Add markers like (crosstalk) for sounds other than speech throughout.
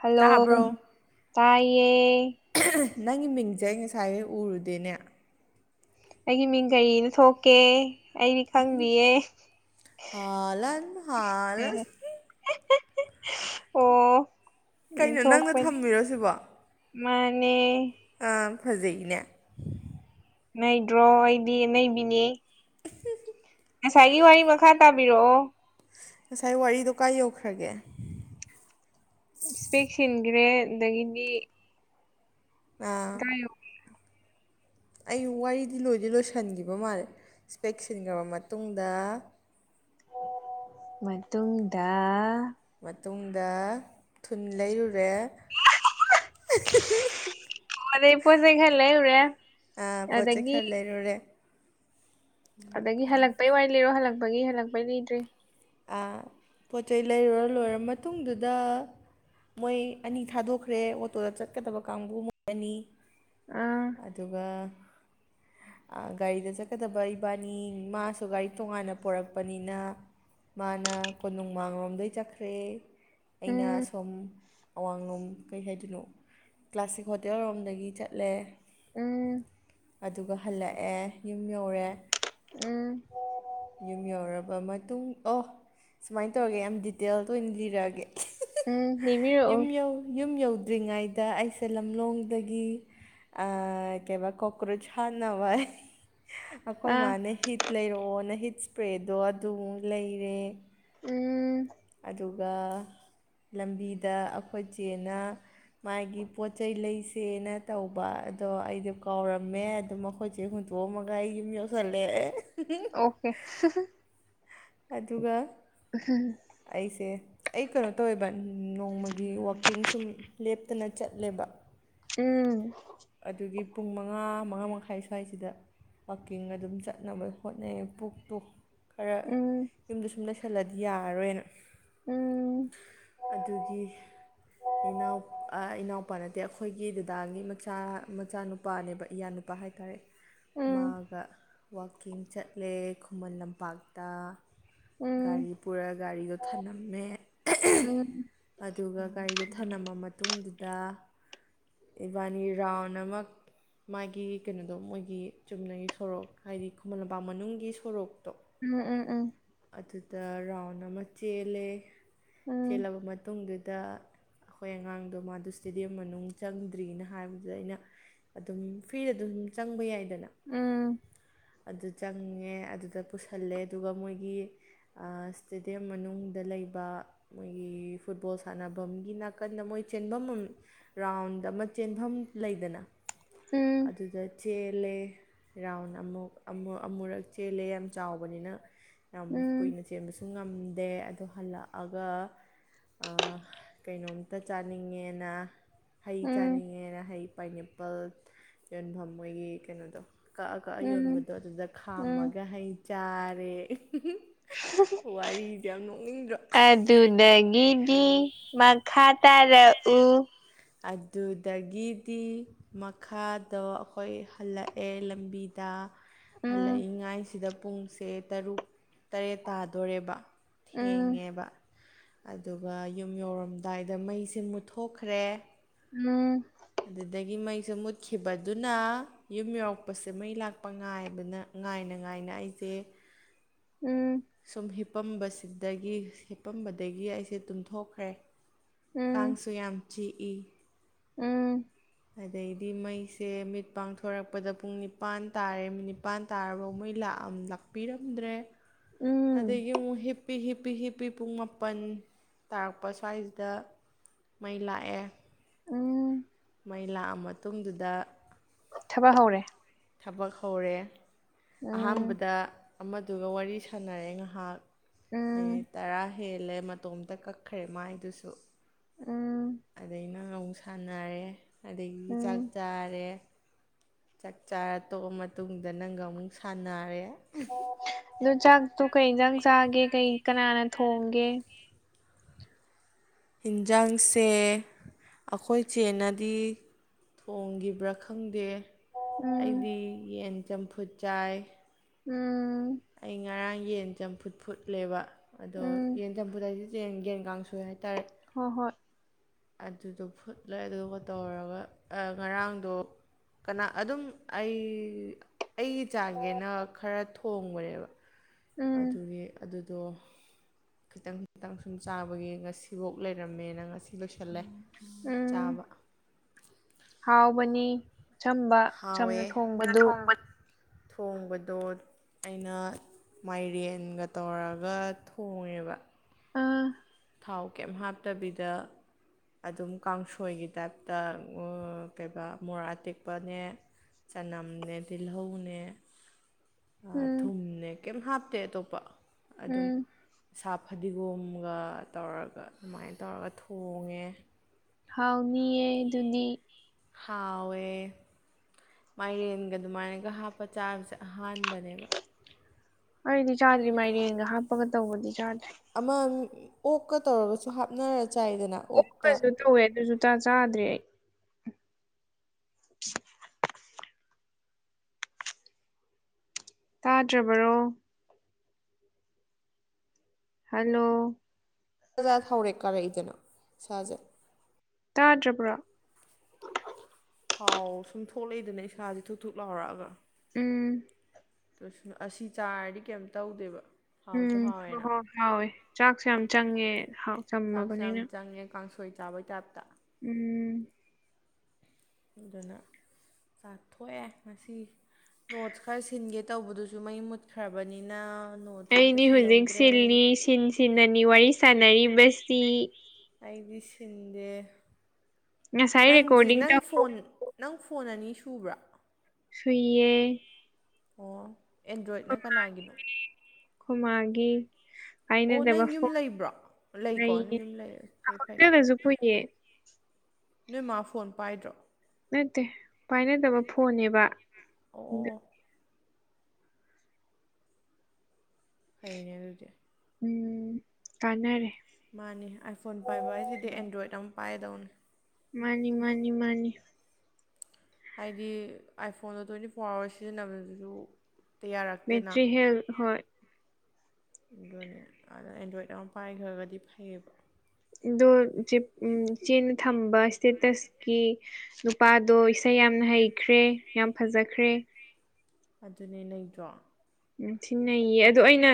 Hello ꯇꯥꯏꯌꯦ ꯅꯪꯒꯤ ꯃꯤꯡꯁꯦ ꯑꯩ ꯉꯁꯥꯏ ꯎꯔꯨꯗꯦꯅꯦ ꯑꯩꯒꯤ ꯃꯤꯡ ꯀꯔꯤꯅ ꯊꯣꯛꯀꯦ ꯑꯩꯗꯤ ꯈꯪꯕꯤꯌꯦ ꯍꯥꯂꯟ ꯍꯥꯂꯟ ꯑꯣ ꯎꯝ ꯀꯩꯅꯣ ꯅꯪꯅ ꯊꯣꯛꯄꯅꯤ ꯊꯝꯃꯤꯔꯣ ꯃꯥꯅꯤ ꯑ ꯐꯖꯩꯅꯦ ꯅꯩꯗ꯭ꯔꯣ ꯑꯩꯗꯤ ꯑꯅꯩꯕꯤꯅꯤ (unintelligible) ꯉꯁꯥꯏꯒꯤ ꯋꯥꯔꯤ ꯃꯈꯥ ꯇꯥꯕꯤꯔꯛꯑꯣ ꯉꯁꯥꯏ ꯋꯥꯔꯤꯗꯣ ꯀꯥꯏ ꯌꯧꯈ꯭ꯔꯒꯦ ꯏꯁꯄꯦꯛ ꯁꯤꯟꯈ꯭ꯔꯦ ꯑꯗꯒꯤꯅꯤ ꯑꯥ (inaudible) ꯑꯩ ꯋꯥꯔꯤꯗꯤ ꯂꯣꯏꯗꯤ ꯂꯣꯏꯁꯤꯟꯈꯤꯕ ꯃꯥꯜꯂꯦ ꯏꯁꯄꯦꯛꯁꯤꯟꯈ꯭ꯔꯕ ꯃꯇꯨꯡꯗ ꯃꯇꯨꯡꯗ ꯃꯇꯨꯡꯗ ꯊꯨꯟ ꯂꯩꯔꯨꯔꯦ ꯄꯣꯠ ꯆꯩ ꯈꯔ ꯂꯩꯔꯨꯔꯦ ꯑ ꯄꯣꯠ ꯆꯩ ꯑꯗꯒꯤ ꯈꯔ ꯂꯩꯔꯨꯔꯦ ꯑꯗꯒꯤ ꯍꯜꯂꯛꯄꯩ ꯋꯥꯔꯤ ꯂꯤꯔꯣ ꯍꯜꯂꯛꯄꯒꯤ ꯍꯜꯂꯛꯄꯩ ꯂꯤꯗ꯭ꯔꯤ ꯑꯥ ꯄꯣꯠ ꯆꯩ ꯂꯩꯔꯨꯔ ꯂꯣꯏꯔ ꯃꯇꯨꯡꯗꯨꯗꯥ ꯃꯣꯏ ꯑꯅꯤ ꯊꯥꯗꯣꯛꯈ꯭ꯔꯦ ꯑꯣꯇꯣꯗ ꯆꯠꯀꯗꯕ ꯀꯥꯡꯕꯨ ꯃꯣꯏ ꯑꯅꯤ ꯑꯥ ꯑꯗꯨꯒ ꯑ ꯒꯥꯔꯤꯗ ꯆꯠꯀꯗꯕ ꯏꯕꯥꯏꯅꯤ ꯃꯥꯁꯨ ꯒꯥꯔꯤ ꯇꯣꯡꯉꯥꯟꯅ ꯄꯣꯔꯛꯄꯅꯤꯅ ꯃꯥꯅ ꯀꯣꯅꯨꯡꯃꯥꯡꯔꯣꯝꯗꯩ ꯆꯠꯈ꯭ꯔꯦ ꯑꯩꯅ ꯎꯝ ꯁꯨꯝ ꯑꯋꯥꯡꯂꯣꯝ ꯀꯩ ꯍꯥꯏꯗꯣꯏꯅꯣ ꯀ꯭ꯂꯥꯁꯤꯛ ꯍꯣꯇꯦꯜ ꯔꯣꯝꯗꯒꯤ ꯆꯠꯂꯦ ꯎꯝ ꯑꯗꯨꯒ ꯍꯜꯂꯛꯑꯦ ꯌꯨꯝ ꯌꯧꯔꯦ ꯎꯝ ꯎꯝ ꯌꯨꯝ ꯌꯧꯔꯕ ꯃꯇꯨꯡ ꯑꯣ ꯁꯨꯃꯥꯏꯅ ꯇꯧꯔꯒꯦ ꯌꯥꯝ ꯗꯤꯇꯦꯜꯗ ꯑꯣꯏꯅ ꯂꯤꯔꯛꯑꯒꯦ ꯎꯝ ꯂꯤꯕꯤꯔꯛꯑꯣ ꯌꯨꯝ ꯌꯧ ꯌꯨꯝ ꯌꯧꯗ꯭ꯔꯤꯉꯩꯗ ꯑꯩꯁꯦ ꯂꯝꯂꯣꯡꯗꯒꯤ ꯀꯦꯕꯥ ꯀꯣꯀ꯭ꯔꯣꯆ ꯍꯥꯟ ꯅꯋꯥ ꯑꯩꯈꯣꯏ ꯑꯥ ꯃꯥꯅ ꯍꯤꯠ ꯂꯩꯔꯛꯑꯣꯅ ꯍꯤꯠ ꯏꯁꯄ꯭ꯔꯦꯗꯣ ꯑꯗꯨ ꯂꯩꯔꯦ ꯎꯝ ꯑꯗꯨꯒ ꯂꯝꯕꯤꯗ ꯑꯩꯈꯣꯏ ꯆꯦꯅ ꯃꯥꯒꯤ ꯄꯣꯠꯆꯩ ꯂꯩꯁꯦꯅ ꯇꯧꯕ ꯑꯗꯣ ꯑꯩꯗꯣ ꯀꯥꯎꯔꯝꯃꯦ ꯑꯗꯨ ꯃꯈꯣꯏ ꯆꯦ ꯍꯨꯟꯇꯣꯛꯑꯝꯃꯒ ꯑꯩ ꯌꯨꯝ ꯌꯧꯁꯤꯜꯂꯦ ꯑꯣꯛꯈꯦ ꯑꯗꯨꯒ ꯎꯝ (unintelligible) ꯑꯩꯁꯦ ꯑꯩ ꯀꯩꯅꯣ ꯇꯧꯋꯦꯕ ꯅꯣꯡꯃꯒꯤ ꯋꯥꯛꯀꯤꯡ ꯁꯨꯝ ꯂꯦꯞꯇꯅ ꯆꯠꯂꯦꯕ ꯎꯝ ꯑꯗꯨꯒꯤ ꯄꯨꯡ ꯃꯉꯥ ꯃꯉꯥ ꯃꯈꯥꯏ ꯁ꯭ꯋꯥꯏꯁꯤꯗ ꯋꯥꯛꯀꯤꯡꯒ ꯑꯗꯨꯝ ꯆꯠꯅꯕ ꯍꯣꯠꯅꯩ ꯄꯨꯛꯇꯨ ꯈꯔ ꯌꯨꯝꯗ ꯁꯨꯝ ꯂꯩꯁꯜꯂꯗꯤ ꯌꯥꯔꯔꯣꯏꯅ ꯑꯗꯨꯗꯤ ꯏꯅꯥꯎ ꯑ ꯏꯅꯥꯎꯄꯥ ꯅꯠ ꯑꯗꯩ ꯑꯩꯈꯣꯏꯒꯤ ꯗꯗꯥꯒꯤ ꯃꯆꯥ ꯃꯆꯥꯅꯨꯄꯥꯅꯦꯕ ꯏꯌꯥꯟꯅꯨꯄꯥ ꯍꯥꯏꯇꯥꯔꯦ ꯃꯥꯒ ꯋꯥꯛꯀꯤꯡ ꯆꯠꯂꯦ ꯈꯨꯃꯟ ꯂꯝꯄꯥꯛꯇꯥ ꯒꯥꯔꯤ ꯄꯨꯔ ꯒꯥꯔꯤꯗꯣ ꯊꯅꯝꯃꯦ ꯑꯗꯨꯒ ꯒꯥꯔꯤꯗꯨ ꯊꯝꯅꯝꯃ ꯃꯇꯨꯡꯗꯨꯗꯥ ꯏꯕꯥꯅꯤ ꯔꯥ꯭ꯎꯟ ꯑꯃꯛ ꯃꯥꯒꯤ ꯀꯩꯅꯣꯗꯣ ꯃꯣꯏꯒꯤ ꯆꯨꯝꯅꯒꯤ ꯁꯣꯔꯣꯛ ꯍꯥꯏꯗꯤ ꯈꯨꯃꯟ ꯂꯝꯄꯥꯛ ꯃꯅꯨꯡꯒꯤ ꯁꯣꯔꯣꯛꯇꯣ ꯎꯝ ꯎꯝ ꯎꯝ ꯑꯗꯨꯗ ꯔꯥ꯭ꯎꯟ ꯑꯃ ꯆꯦꯜꯂꯦ ꯆꯦꯜꯂꯕ ꯃꯇꯨꯡꯗꯨꯗ ꯑꯩꯈꯣꯏ ꯑꯉꯥꯡꯗꯣ ꯃꯥꯗꯣ ꯏꯁꯇꯦꯗꯤꯌꯝ ꯃꯅꯨꯡ ꯆꯪꯗ꯭ꯔꯤꯅ ꯍꯥꯏꯕꯗꯨꯗ ꯑꯩꯅ ꯑꯗꯨꯝ ꯐꯤꯗ ꯑꯗꯨꯝ ꯆꯪꯕ ꯌꯥꯏꯗꯅ ꯎꯝ ꯑꯗꯨ ꯆꯪꯉꯦ ꯑꯗꯨꯗ ꯄꯨꯁꯜꯂꯦ ꯑꯗꯨꯒ ꯃꯣꯏꯒꯤ ꯒꯤ ꯑꯥ ꯏꯁꯇꯦꯗꯤꯌꯝ ꯃꯅꯨꯡꯗ ꯂꯩꯕ ꯃꯣꯏꯒꯤ ꯐꯨꯠꯕꯣꯜ ꯁꯥꯟꯅꯕꯝꯒꯤ ꯅꯥꯀꯟꯗ ꯃꯣꯏ ꯆꯦꯟꯕꯝ ꯔꯥ꯭ꯎꯟꯗ ꯑꯃ ꯆꯦꯟꯕꯝ ꯂꯩꯗꯅ ꯑꯗꯨꯗ ꯆꯦꯜꯂꯦ ꯔꯥ꯭ꯎꯟ ꯑꯃꯨꯛ ꯑꯃꯨ ꯑꯃꯨꯔꯛ ꯆꯦꯜꯂꯦ ꯌꯥꯝ ꯆꯥꯎꯕꯅꯤꯅ ꯌꯥꯝ ꯎꯝ ꯀꯨꯏꯅ ꯆꯦꯟꯕꯁꯨ ꯉꯝꯗꯦ ꯑꯗꯨ ꯍꯜꯂꯛꯑꯒ ꯑꯥ ꯀꯩꯅꯣꯝꯇ ꯆꯥꯅꯤꯡꯉꯦꯅꯥ ꯍꯩ ꯎꯝ ꯆꯥꯅꯤꯡꯉꯦꯅ ꯍꯩ ꯄꯥꯏꯅꯦꯄꯜ ꯌꯣꯟꯕꯝ ꯃꯣꯏꯒꯤ ꯀꯩꯅꯣꯗꯣ ꯀꯛꯑ ꯀꯛꯑ ꯌꯣꯟꯕꯗꯣ ꯑꯗꯨꯗ ꯎꯝ ꯈꯥꯝꯃꯒ ꯍꯩ ꯆꯥꯔꯦ ꯋꯥꯔꯤꯖꯦ ꯌꯥꯝ ꯅꯣꯛꯅꯤꯡꯗ꯭ꯔꯣ ꯑꯗꯨꯗꯒꯤꯗꯤ ꯃꯈꯥ ꯇꯥꯔꯛꯎ ꯑꯗꯨꯗꯒꯤꯗꯤ ꯃꯈꯥꯗꯣ ꯑꯩꯈꯣꯏ ꯍꯜꯂꯛꯑꯦ ꯂꯝꯕꯤꯗ ꯎꯝ ꯍꯜꯂꯛꯏꯉꯥꯏꯁꯤꯗ ꯄꯨꯡꯁꯦ ꯇꯔꯨꯛ ꯇꯔꯦꯠ ꯇꯥꯗꯣꯔꯦꯕ ꯎꯝ ꯊꯦꯡꯉꯦꯕ ꯑꯗꯨꯒ ꯌꯨꯝ ꯌꯧꯔꯝꯗꯥꯏꯗ ꯃꯩꯁꯦ ꯃꯨꯠꯊꯣꯛꯈ꯭ꯔꯦ ꯎꯝ ꯑꯗꯨꯗꯒꯤ ꯃꯩꯁꯦ ꯃꯨꯠꯈꯤꯕꯗꯨꯅ ꯌꯨꯝ ꯌꯧꯔꯛꯄꯁꯦ ꯃꯩ ꯂꯥꯛꯄ ꯉꯥꯏꯕꯅ ꯉꯥꯏꯅ ꯉꯥꯏꯅ ꯑꯩꯁꯦ ꯎꯝ ꯁꯨꯝ ꯍꯤꯞꯄꯝꯕꯁꯤꯗꯒꯤ ꯍꯤꯞꯄꯝꯕꯗꯒꯤ ꯑꯩꯁꯦ ꯇꯨꯝꯊꯣꯛꯈ꯭ꯔꯦ ꯎꯝ ꯀꯥꯡꯁꯨ ꯌꯥꯝ ꯆꯤꯛꯏ ꯎꯝ ꯑꯗꯩꯗꯤ ꯃꯩꯁꯦ ꯃꯤꯠ ꯄꯥꯡꯊꯣꯔꯛꯄꯗ ꯄꯨꯡ ꯅꯤꯄꯥꯟ ꯇꯥꯔꯦ ꯅꯤꯄꯥꯟ ꯇꯥꯔꯕꯥꯎ ꯃꯩ ꯂꯥꯛꯑꯝ ꯂꯥꯛ ꯄꯤꯔꯝꯗ꯭ꯔꯦ ꯎꯝ ꯑꯗꯒꯤ ꯑꯃꯨꯛ ꯍꯤꯞ ꯄꯤ ꯍꯤꯄꯤ ꯍꯤꯄꯤ ꯄꯨꯡ ꯃꯥꯄꯟ ꯇꯥꯔꯛꯄ ꯑꯁ꯭ꯋꯥꯏꯖꯤꯗ ꯃꯩ ꯂꯥꯛꯑꯦ ꯎꯝ ꯃꯩ ꯂꯥꯛꯑ ꯃꯇꯨꯡꯗꯨꯗ ꯊꯕꯛ ꯍꯧꯔꯦ ꯊꯕꯛ ꯍꯧꯔꯦ ꯎꯝ ꯑꯍꯥꯟꯕꯗ ꯑꯃꯗꯨꯒ ꯋꯥꯔꯤ ꯁꯥꯟꯅꯔꯦ ꯉꯥꯍꯥꯛ ꯎꯝ ꯃꯤꯅꯤꯠ ꯇꯔꯥ ꯍꯦꯜꯂꯦ ꯃꯇꯣꯝꯇ ꯀꯛꯈ꯭ꯔꯦ ꯃꯥꯏꯗꯨꯁꯨ ꯎꯝ ꯑꯗꯩ ꯅꯪꯉꯃꯨꯛ ꯁꯥꯟꯅꯔꯦ ꯑꯗꯒꯤ ꯎꯝ ꯆꯥꯛ ꯆꯥꯔꯦ ꯆꯥꯛ ꯆꯥꯔ ꯇꯣꯛꯑ ꯃꯇꯨꯡꯗ ꯅꯪꯒ ꯑꯃꯨꯛ ꯁꯥꯟꯅꯔꯦ ꯑꯗꯨ ꯆꯥꯛꯇꯨ ꯀꯩꯖꯥꯡ ꯆꯥꯒꯦ ꯀꯩ ꯀꯅꯥꯅ ꯊꯣꯡꯒꯦ ꯏꯟꯖꯥꯡꯁꯦ ꯑꯩꯈꯣꯏ ꯆꯦꯅꯗꯤ ꯊꯣꯡꯒꯤꯕ꯭ꯔꯥ ꯈꯪꯗꯦ ꯎꯝ ꯑꯩꯗꯤ ꯌꯦꯟ ꯆꯝꯐꯨꯠ ꯆꯥꯏ ꯎꯝ ꯑꯩ ꯉꯔꯥꯡ ꯌꯦꯟ ꯆꯝꯐꯨꯠ ꯐꯨꯠꯂꯦꯕ ꯑꯗꯣ ꯎꯝ ꯌꯦꯟ ꯆꯝꯐꯨꯠ ꯍꯥꯏꯗꯤ ꯌꯦꯟ ꯌꯦꯟ ꯀꯥꯡ ꯁꯣꯏ ꯍꯥꯏꯇꯥꯔꯦ ꯍꫭ ꯍꫭꯏ ꯑꯗꯨꯗꯣ ꯐꯨꯠꯂꯦ ꯑꯗꯨꯒ ꯇꯧꯔꯒ ꯉꯔꯥꯡꯗꯣ ꯀꯅꯥ ꯑꯗꯨꯝ ꯑꯩ ꯑꯩꯒꯤ ꯆꯥꯡꯒꯦꯅ ꯈꯔ ꯊꯣꯡꯕꯅꯦꯕ ꯎꯝ ꯑꯗꯨꯒꯤ ꯑꯗꯨ ꯑꯗꯣ ꯈꯤꯇꯪ ꯈꯤꯇꯪ ꯁꯨꯝ ꯆꯥꯕꯒꯤ ꯉꯁꯤꯕꯨ ꯂꯩꯔꯝꯃꯦꯅ ꯉꯁꯤ ꯂꯣꯏꯁꯜꯂꯦ ꯎꯝ ꯆꯥꯕ ꯍꯥꯎꯕꯅꯤ ꯑꯆꯝꯕ ꯍꯥꯎꯋꯦ ꯆꯝꯅ ꯊꯣꯡꯕꯗꯨ ꯊꯣꯡꯕꯗꯣ ꯑꯩꯅ ꯃꯥꯏꯔꯦꯟꯒ ꯇꯧꯔꯒ ꯊꯣꯡꯉꯦꯕ ꯑꯥ ꯊꯥꯎ ꯀꯩꯝ ꯍꯥꯞꯇꯕꯤꯗ ꯑꯗꯨꯝ ꯀꯥꯡꯁꯣꯏꯒꯤ ꯇꯥꯏꯞꯇ ꯀꯩꯕ ꯃꯣꯔꯥ ꯑꯇꯦꯛꯄꯅꯦ ꯆꯅꯝꯅꯦ ꯇꯤꯜꯍꯧꯅꯦ ꯎꯝ ꯊꯨꯝꯅꯦ ꯀꯩꯝ ꯍꯥꯞꯇꯦ ꯑꯇꯣꯞꯄ ꯑꯗꯨꯝ ꯎꯝ ꯁꯥ ꯐꯗꯤꯒꯣꯝꯒ ꯇꯧꯔꯒ ꯑꯗꯨꯃꯥꯏꯅ ꯇꯧꯔꯒ ꯊꯣꯡꯉꯦ ꯍꯥꯎꯅꯤꯌꯦ ꯑꯗꯨꯗꯤ ꯍꯥꯎꯋꯦ ꯃꯥꯏꯔꯦꯟꯒ ꯑꯗꯨꯃꯥꯏꯅꯒ ꯍꯥꯞꯄ ꯆꯥꯕꯁꯦ ꯑꯍꯥꯟꯕꯅꯦꯕ ꯑꯩꯗꯤ ꯆꯥꯗ꯭ꯔꯤ ꯃꯥꯏꯔꯦꯟꯒ ꯍꯥꯞꯄꯒ ꯇꯧꯕꯗꯤ ꯆꯥꯗ꯭ꯔꯤ ꯑꯃ ꯑꯣꯛꯀ ꯇꯧꯔꯒꯁꯨ ꯍꯥꯞꯅꯔ ꯆꯥꯏꯗꯅ ꯑꯣꯛꯇ ꯑꯣꯛꯀꯁꯨ ꯇꯧꯋꯦ ꯑꯗꯨꯁꯨꯡꯆꯥ ꯆꯥꯗ꯭ꯔꯤ ꯑꯩ ꯇꯥꯗ꯭ꯔꯕꯔꯣ ꯍꯜꯂꯣ ꯁꯖꯠ ꯍꯧꯔꯦ ꯀꯔꯤꯗꯅꯣ ꯏꯁꯥꯖꯦ ꯇꯥꯗ꯭ꯔꯕ꯭ꯔꯣ ꯊꯥꯎ ꯁꯨꯝ ꯊꯣꯛꯂꯛꯏꯗꯅ ꯏꯁꯥꯥꯁꯦ ꯊꯨꯛ ꯊꯨꯛ ꯂꯥꯎꯔꯛꯑꯒ ꯎꯝ (unintelligible) ꯑꯁꯤ ꯆꯥꯔꯗꯤ ꯀꯩꯝ ꯇꯧꯗꯦꯕ ꯍꯥꯎꯁꯨ ꯎꯝ ꯍꯣꯏ ꯍꯥꯎꯋꯦꯅ ꯍꯣꯏ ꯍꯥꯎꯋꯦ ꯆꯥꯛꯁꯨꯦ ꯌꯥꯝ ꯆꯪꯉꯦ ꯍꯥꯎ ꯆꯝꯃꯕꯅꯤꯅ ꯈꯥꯃꯦꯟ ꯀꯥꯡ ꯁꯣꯏ ꯊꯣꯏ ꯆꯥꯕꯩ ꯇꯥꯏꯞꯇ ꯎꯝ ꯑꯗꯨꯅ ꯆꯥꯊꯣꯛꯑꯦ ꯉꯁꯤ ꯅꯣꯠꯁ ꯈꯔ ꯁꯤꯟꯒꯦ ꯇꯧꯕꯗꯨꯁꯨ ꯃꯩ ꯃꯨꯠꯈ꯭ꯔꯕꯅꯤꯅ ꯅꯣꯠꯁꯨ ꯑꯝꯇ ꯑꯩꯗꯤ ꯍꯧꯖꯤꯛ ꯁꯤꯜꯍꯧꯗ꯭ꯔꯦ ꯁꯤꯜꯂꯤ ꯁꯤꯟ ꯁꯤꯟꯅꯅꯤ ꯋꯥꯔꯤ ꯁꯥꯟꯅꯔꯤꯕꯁꯤ ꯑꯩꯗꯤ ꯁꯤꯟꯗꯦ ꯉꯁꯥꯏ ꯅꯪꯗꯤ ꯔꯦꯀꯣꯔꯗꯤꯡ ꯅꯪ ꯇꯧꯍꯧ ꯐꯣꯟ ꯅꯪ ꯐꯣꯟ ꯑꯅꯤ ꯁꯨꯕ꯭ꯔꯥ ꯁꯨꯏꯌꯦ ꯑꯣ ꯑꯦꯟꯗ꯭ꯔꯣꯏꯗꯅ ꯀꯅꯥꯒꯤꯅꯣ ꯈꯣꯏ ꯃꯥꯒꯤ ꯑꯣ ꯅꯪ (unintelligible) ꯌꯨꯝ ꯐꯣꯟ ꯂꯩꯕ꯭ꯔꯣ ꯂꯩꯀꯣ ꯅꯪ ꯂꯩꯌꯦ ꯌꯨꯝ ꯂꯩ ꯐꯩ ꯐꯩ ꯍꯣꯁꯇꯦꯜꯗꯁꯨ ꯄꯨꯏꯌꯦ ꯅꯣꯏ ꯃꯥ ꯐꯣꯟ ꯄꯥꯏꯗ꯭ꯔꯣ ꯅꯠꯇꯦ ꯄꯥꯏꯅꯗꯕ ꯐꯣꯟꯅꯦꯕ (unintelligible) ꯑꯗ ꯑꯣ ꯐꯩꯅꯦ ꯑꯗꯨꯗꯤ ꯎꯝ ꯀꯥꯟꯅꯔꯦ ꯃꯥꯅꯤ ꯑꯥꯏꯐꯣꯟ ꯄꯥꯏꯕ ꯍꯥꯏꯁꯤꯗꯤ ꯑꯦꯟꯗ꯭ꯔꯣꯏꯗ ꯑꯃ ꯄꯥꯏꯒꯗꯧꯅꯤ ꯃꯥꯅꯤ ꯃꯥꯅꯤ ꯃꯥꯅꯤ ꯍꯥꯏꯗꯤ ꯑꯥꯏꯐꯣꯟꯗꯣ ꯇ꯭ꯋꯦꯟꯇꯤ ꯐꯣꯔ ꯑꯥꯋꯥꯔꯁ ꯁꯤꯖꯤꯟꯅꯕꯗꯁꯨ ꯍꯦꯛꯇ ꯌꯥꯔꯛꯇꯦꯅ ꯕꯦꯇ꯭ꯔꯤ ꯍꯦꯜ ꯍꯣꯏ ꯑꯗꯨꯅꯦ ꯑꯗ ꯑꯦꯟꯗ꯭ꯔꯣꯏꯗ ꯑꯃ ꯄꯥꯏꯈ꯭ꯔꯒꯗꯤ ꯐꯩꯌꯦꯕ ꯑꯗꯣ ꯎ ꯏꯆꯦꯅ ꯊꯝꯕ ꯏꯁꯇꯦꯇꯁꯀꯤ ꯅꯨꯄꯥꯗꯣ ꯏꯁꯩ ꯌꯥꯝꯅ ꯍꯩꯈ꯭ꯔꯦ ꯌꯥꯝ ꯐꯖꯈ꯭ꯔꯦ ꯑꯗꯨꯅꯦ ꯅꯩꯗ꯭ꯔꯣ ꯌꯥꯝ ꯊꯤꯅ ꯅꯩꯌꯦ ꯑꯗꯣ ꯑꯩꯅ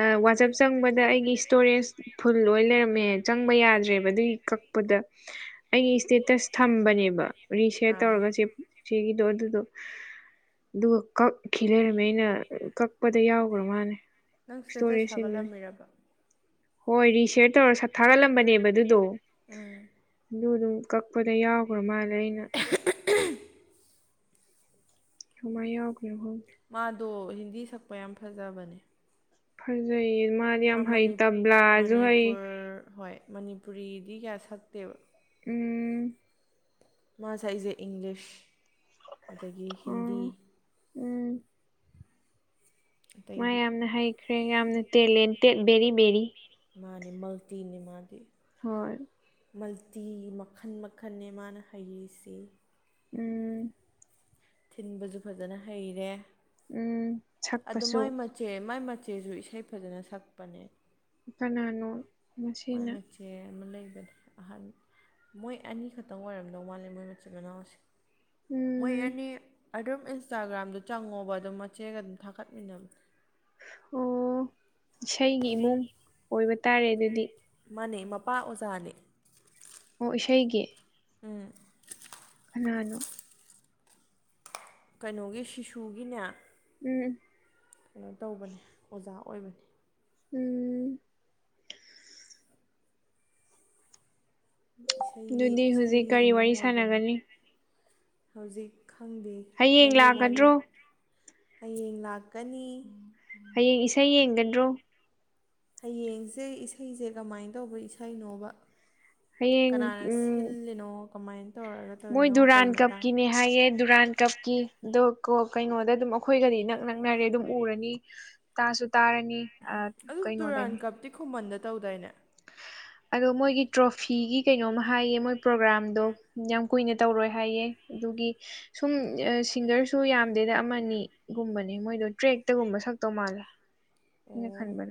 ꯑ ꯋꯥꯆꯞ ꯆꯪꯕꯗ ꯑꯩꯒꯤ ꯏꯁꯇꯣꯔꯦꯖ ꯐꯨꯜ ꯑꯣꯏ ꯂꯩꯔꯝꯃꯦ ꯆꯪꯕ ꯌꯥꯗ꯭ꯔꯦꯕ ꯑꯗꯨꯒꯤ ꯀꯛꯄꯗ ꯑꯩꯒꯤ ꯏꯁꯇꯦꯇꯁ ꯊꯝꯕꯅꯦꯕ ꯔꯤꯁꯦꯠ ꯑꯥ ꯇꯧꯔꯒ ꯆꯦ ꯁꯤꯒꯤꯗꯣ ꯑꯗꯨꯗꯣ ꯑꯗꯨꯒ ꯀꯛꯈꯤ ꯂꯩꯔꯝꯃꯦ ꯑꯩꯅ ꯀꯛꯄꯗ ꯌꯥꯎꯒ꯭ꯔ ꯃꯥꯅꯦ ꯅꯪ ꯁ꯭ꯇꯦꯇꯁ ꯊꯥꯒꯠꯂꯝꯃꯤꯔꯕ ꯍꯣꯏ ꯔꯤꯁꯌꯔ ꯇꯧꯔ ꯁꯠ ꯊꯥꯒꯠꯂꯝꯕꯅꯦꯕ ꯑꯗꯨꯗꯣ ꯎꯝ ꯑꯗꯨ ꯑꯗꯨꯝ ꯀꯛꯄꯗ ꯌꯥꯎꯈ꯭ꯔ ꯃꯥꯜꯂꯦ ꯑꯩꯅ ꯀꯃꯥꯏ ꯌꯥꯔꯈ꯭ꯔꯤꯅꯣ ꯈꯪꯗꯦ ꯃꯥꯗꯣ ꯍꯤꯟꯗꯤ ꯁꯛꯄ ꯌꯥꯝ ꯐꯖꯕꯅꯦ ꯐꯖꯩ ꯃꯥ ꯃꯥ ꯃꯅꯤꯄꯨꯔ ꯍꯣꯏ ꯃꯅꯤꯄꯨꯔꯤꯗꯤ ꯀꯌꯥ ꯁꯛꯇꯦꯕ ꯎꯝ ꯃꯥ ꯁꯛꯏꯁꯦ ꯏꯪꯂꯤꯁ ꯑꯗꯒꯤ ꯍꯤꯟꯗꯤ ꯑꯣ ꯎꯝ- ꯃꯥ ꯑꯇꯩꯗꯤ ꯌꯥꯝꯅ ꯍꯩꯈ꯭ꯔꯦ ꯌꯥꯝꯅ ꯇꯦꯂꯦꯟꯇꯦꯠ ꯕꯦꯔꯤ ꯕꯦꯔꯤ ꯃꯥꯅꯤ ꯃꯜꯇꯤꯅꯤ ꯃꯥꯗꯤ ꯍꯣꯏ ꯃꯜꯇꯤ ꯃꯈꯜ ꯃꯈꯜꯦ ꯃꯥꯅ ꯍꯩꯔꯤꯁꯤ ꯎꯝ ꯊꯤꯟꯕꯁꯨ ꯐꯖꯅ ꯍꯩꯔꯦ ꯎꯝ ꯁꯛꯄꯁꯨ ꯑꯗꯨꯃꯥꯏ ꯃꯆꯦ ꯃꯥꯏ ꯃꯆꯦꯁꯨ ꯏꯁꯩ ꯐꯖꯅ ꯁꯛꯄꯅꯦ ꯀꯅꯥꯅꯣ ꯃꯥꯏ ꯃꯁꯤꯅ ꯃꯆꯦ ꯑꯃ ꯂꯩꯕꯅꯦ ꯑꯍꯟ ꯃꯣꯏ ꯑꯅꯤꯈꯛꯇꯪ ꯑꯣꯏꯔꯝꯗꯧ ꯃꯥꯂꯦ ꯃꯣꯏ ꯃꯆꯤꯟ ꯃꯅꯥꯎꯁꯦ ꯃꯣꯏ ꯎꯝ ꯑꯅꯤ ꯑꯗꯨꯝ ꯏꯟꯁꯇꯥꯒ꯭ꯔꯥꯝꯗ ꯆꯪꯉꯣꯕ ꯑꯗꯨꯝ ꯃꯆꯦꯒ ꯑꯗꯨꯝ ꯊꯥꯒꯠꯃꯤꯟꯅꯕꯅꯤ ꯑꯣ ꯏꯁꯩꯒꯤ ꯏꯃꯨꯡ ꯑꯣꯏꯕ ꯇꯥꯔꯦ ꯑꯗꯨꯗꯤ ꯃꯥꯅꯦ ꯃꯄꯥ ꯑꯣꯖꯥꯅꯦ ꯑꯣ ꯏꯁꯩꯒꯤ ꯎꯝ ꯀꯅꯥꯅꯣ ꯀꯩꯅꯣꯒꯤ ꯁꯤꯁꯨꯒꯤꯅꯦ ꯎꯝ- ꯀꯩꯅꯣ ꯇꯧꯕꯅꯦ ꯑꯣꯖꯥ ꯑꯣꯏꯕꯅꯤ ꯎꯝ ꯏꯁꯩꯒꯤ ꯑꯗꯨꯗꯤ ꯍꯧꯖꯤꯛ ꯏꯁꯩꯒꯤ ꯀꯔꯤ ꯏꯃꯨꯡ ꯋꯥꯔꯤ ꯑꯣꯏꯕꯅꯤ ꯁꯥꯟꯅꯒꯅꯤ ꯍꯧꯖꯤꯛ ꯈꯪꯗꯦ ꯍꯌꯦꯡ ꯅꯪꯒꯤ ꯋꯥꯔꯤ ꯂꯥꯛꯀꯗ꯭ꯔꯣ ꯍꯌꯦꯡ ꯂꯥꯛꯀꯅꯤ ꯍꯌꯦꯡ ꯏꯁꯩ ꯌꯦꯡꯒꯗ꯭ꯔꯣ ꯍꯌꯦꯡꯁꯦ ꯏꯁꯩꯁꯦ ꯀꯃꯥꯏꯅ ꯇꯧꯕ ꯏꯁꯩꯅꯣꯕ ꯍꯌꯦꯡ ꯀꯅꯥꯅ ꯎꯝ ꯁꯤꯜꯂꯤꯅꯣ ꯀꯃꯥꯏꯅ ꯇꯧꯔꯒ ꯃꯣꯏ ꯇꯧꯔꯤꯅꯣ ꯀꯩ ꯗꯨꯔꯥꯟ ꯃꯇꯥꯡ ꯀꯞꯀꯤꯅꯦ ꯍꯥꯏꯌꯦ ꯗꯨꯨꯔꯥꯟ ꯀꯞ ꯀꯤ ꯑꯗꯣꯣ ꯀꯩꯅꯣꯗ ꯑꯗꯨꯝ ꯑꯩꯈꯣꯏꯒꯗꯤ ꯅꯛ ꯅꯛꯅꯔꯦ ꯑꯗꯨꯝ ꯎꯔꯅꯤ ꯇꯥꯁꯨ ꯇꯥꯔꯅꯤ ꯑ ꯑꯗꯨ ꯇꯗꯨꯨꯔꯥꯟ ꯀꯩꯅꯣꯗꯅꯤ ꯀꯞꯇꯤ ꯈꯨꯃꯟꯗ ꯇꯧꯗꯥꯏꯅꯦ ꯑꯗꯣ ꯃꯣꯏꯒꯤ ꯇ꯭ꯔꯣꯐꯤꯒꯤ ꯀꯩꯅꯣꯃ ꯍꯥꯏꯌꯦ ꯃꯣꯏ ꯄ꯭ꯔꯣꯒꯥ꯭ꯔꯥꯝꯗꯣ ꯌꯥꯝ ꯀꯨꯏꯅ ꯇꯧꯔꯣꯏ ꯍꯥꯏꯌꯦ ꯑꯗꯨꯒꯤ ꯁꯨꯝ ꯁꯤꯡꯒꯔꯁꯨ ꯌꯥꯝꯗꯦꯗ ꯑꯃꯅꯤꯒꯨꯝꯕꯅꯦ ꯃꯣꯏꯗꯣ ꯇ꯭ꯔꯦꯛꯇꯒꯨꯝꯕ ꯁꯛꯇꯧ ꯃꯥꯜꯂꯦ (unintelligible) ꯃꯤ ꯈꯅꯤꯕ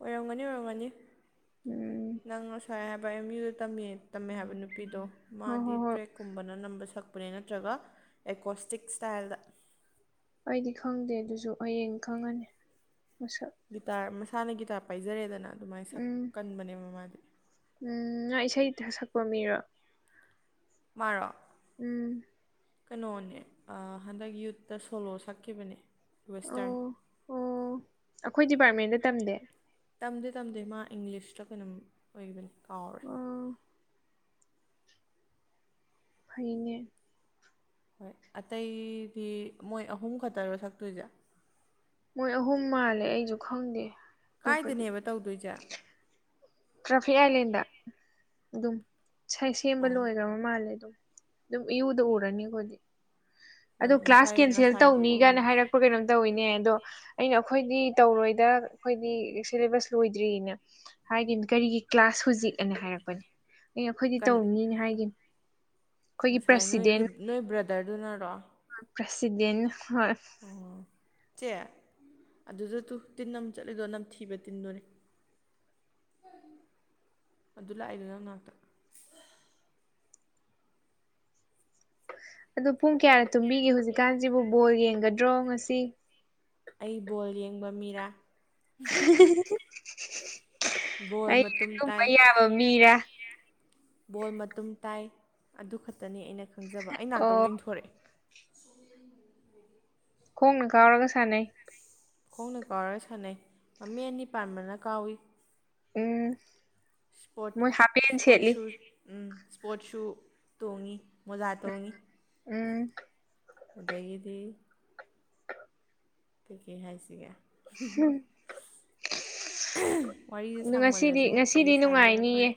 ꯑꯣꯏꯔꯝꯒꯅꯤ ꯑꯣꯏꯔꯝꯒꯅꯤ ꯎꯝ ꯅꯪ ꯉꯁꯥꯏ ꯍꯥꯏꯕ ꯑꯦꯝ ꯌꯨꯗꯝ ꯇꯝꯃꯦ ꯍꯥꯏꯕ ꯅꯨꯄꯤꯗꯣ ꯍꯣꯏ ꯃꯥꯗꯤ ꯍꯣꯏ ꯍꯣꯏ ꯇ꯭ꯔꯦꯛ꯫ ꯀꯨꯝꯕꯅ ꯅꯝꯕ ꯁꯛꯄꯅꯦ ꯅꯠꯇ꯭ꯔꯒ ꯑꯦꯀꯣꯁꯇꯤꯛ ꯁ꯭ꯇꯥꯏꯜꯗ꯫ ꯑꯩꯗꯤ ꯈꯪꯗꯦ ꯑꯗꯨꯁꯨ ꯍꯌꯦꯡ ꯈꯪꯉꯅꯤ ꯃꯁꯛ꯫ ꯒꯤꯇꯥꯔ ꯃꯁꯥꯅ ꯒꯤꯇꯥꯔ ꯄꯥꯏꯖꯔꯦꯗꯅ ꯑꯗꯨꯃꯥꯏꯅ ꯁꯛ ꯎꯝ ꯀꯟꯕꯅꯦꯕ ꯃꯥꯗꯤ꯫ ꯎꯝ ꯉꯥ ꯏꯁꯩ ꯁꯛꯄ ꯃꯤꯔꯣ꯫ ꯃꯥꯔꫭ꯫ ꯎꯝ꯫ ꯀꯩꯅꯣꯅꯦ ꯍꯟꯗꯛ ꯌꯨꯠꯇ ꯁꯣꯂꯣ ꯁꯛꯈꯤꯕꯅꯦ꯫ ꯋꯦꯁꯇꯔꯟ ꯑꯣ ꯑꯣ ꯑꯩꯈꯣꯏ ꯗꯤꯄꯥꯔꯠꯃꯦꯟꯗ ꯇꯝꯗꯦ ꯇꯝꯗꯦ ꯇꯝꯗꯦ ꯃꯥ ꯏꯪꯂꯤꯁꯇ ꯀꯩꯅꯣꯝ ꯑꯣꯏꯕꯅꯤ ꯀꯥꯎꯔꯦ ꯑꯣ ꯐꯩꯅꯦ ꯍꯣꯏ ꯑꯇꯩꯗꯤ ꯃꯣꯏ ꯑꯍꯨꯝ ꯈꯛꯇꯔꯣ ꯁꯛꯇꯣꯏꯁꯦ ꯃꯣꯏ ꯑꯍꯨꯝ ꯃꯥꯜꯂꯦ ꯑꯩꯁꯨ ꯈꯪꯗꯦ ꯑꯇꯣꯞꯄꯗꯤ ꯀꯥꯏꯗꯅꯦꯕ ꯇꯧꯗꯣꯏꯁꯦ ꯇ꯭ꯔꯥꯐꯤꯛ ꯑꯥꯏꯂꯦꯟꯗ ꯑꯗꯨꯝꯥꯏ ꯁꯦꯝꯕ ꯑꯣ ꯂꯣꯏꯈ꯭ꯔꯕ ꯃꯥꯜꯂꯦ ꯑꯗꯨꯝ ꯑꯗꯨꯝ ꯏꯨꯗ ꯎꯔꯅꯤꯈꯣꯗꯤ ꯍꯣꯏ ꯑꯗꯣ ꯀ꯭ꯂꯥꯁ ꯉꯁꯥꯏ ꯀꯦꯟꯁꯦꯜ ꯉꯁꯥꯏꯗꯤ ꯇꯧꯅꯤꯒꯅ ꯑꯣꯏꯔꯨꯕꯅꯦ ꯍꯥꯏꯔꯛꯄ ꯀꯩꯅꯣꯝ ꯇꯧꯋꯤꯅꯦ ꯑꯗꯣ ꯑꯩꯅ ꯑꯈꯣꯏꯗꯤ ꯇꯧꯔꯣꯏꯗ ꯑꯈꯣꯏꯗꯤ ꯁꯤꯂꯦꯕꯁ ꯂꯣꯏꯗ꯭ꯔꯤꯅꯦ꯫ ꯍꯥꯏꯒꯤꯝ ꯀꯔꯤꯒꯤ ꯀ꯭ꯂꯥꯁ ꯍꯧꯖꯤꯛ ꯑꯅ ꯍꯥꯏꯔꯛꯄꯅꯦ ꯑꯩ ꯑꯈꯣꯏꯗꯤ ꯀꯟ ꯇꯧꯅꯤꯅ ꯍꯥꯏꯒꯤꯝ꯫ ꯉꯁꯥꯏ ꯅꯣꯏꯒꯤ ꯅꯣꯏ ꯕ꯭ꯔꯗꯔꯗꯨꯅꯔꯣ꯫ ꯄ꯭ꯔꯁꯤꯗ‌ꯦꯟꯅ ꯍꯣꯏ꯫ ꯑꯣ ꯆ‌ꯦ ꯑꯗꯨꯗ ꯇꯨ ꯇꯤꯟ ꯑꯃ ꯆꯠꯂꯤꯗꯣ ꯅꯝꯊꯤꯕ ꯇꯤꯟꯗꯣꯅꯦ꯫ ꯑꯗꯨ ꯂꯥꯛꯏꯗꯨ ꯅꯪ ꯅꯥꯛꯇ꯫ ꯑꯗꯨ ꯄꯨꯡ ꯀꯌꯥꯅ ꯇꯨꯝꯕꯤꯒꯦ ꯍꯧꯖꯤꯛꯀꯥꯟꯁꯤꯕꯨ ꯕꯣꯜ ꯌꯦꯡꯒꯗ꯭ꯔꯣ ꯉꯁꯤ꯫ ꯑꯩ ꯕꯣꯜ ꯌꯦꯡꯕ ꯃꯤꯔꯥ꯫ ꯫ (unintelligible) ꯕꯣꯜ ꯑꯩ ꯃꯇꯨꯝ ꯑꯗꯨꯝꯕ ꯇꯥꯏ ꯌꯥꯕ ꯃꯤꯔ꯫ ꯕꯣꯜ ꯃꯇꯨꯝ ꯇꯥꯏ ꯑꯗꯨ ꯈꯛꯇꯅꯤ ꯑꯩꯅ ꯈꯪꯖꯕ ꯑꯩ ꯅꯥꯛꯇ ꯑꯣ ꯑꯃꫭꯛ ꯏꯟꯊꯣꯔꯛꯑꯦ꯫ ꯈꯣꯡꯅ ꯀꯥꯎꯔꯒ ꯁꯥꯟꯅꯩ꯫ ꯈꯣꯡꯅ ꯀꯥꯎꯔꯒ ꯁꯥꯟꯅꯩ ꯃꯃꯤ ꯑꯅꯤ ꯄꯥꯟꯕꯅ ꯀꯥꯎꯏ꯫ ꯎꯝ ꯏꯁꯄꯣꯔꯠ ꯃꯣꯏ ꯏꯁꯄꯣꯔꯠ ꯍꯥꯞꯄꯦꯟꯁ‌ꯦꯠꯂꯤ꯫ ꯁꯨ ꯎꯝ ꯏꯁ꯭ꯄꯣꯔꯠꯁꯨ ꯇꯣꯡꯉꯤ ꯃꯣꯖꯥ ꯇꯣꯡꯉꯤ꯫ ꯎꯝ꯫ ꯑꯗꯒꯤꯗꯤ꯫ (inaudible) ꯀꯩ ꯀꯩ ꯍꯥꯏꯁꯤꯒꯦ ꯋꯥꯔꯤꯁꯦ ꯉꯁꯤꯗꯤ ꯁꯥꯡꯃꯜꯂꯁꯨ ꯀꯩ ꯉꯁꯤꯗꯤ ꯁꯥꯟꯅꯗꯣꯏꯅꯣ ꯅꯨꯡꯉꯥꯏꯅꯤꯌꯦ ꯈꯪꯗꯦ꯫